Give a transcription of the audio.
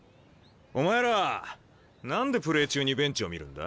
お前ら何でプレー中にベンチを見るんだ？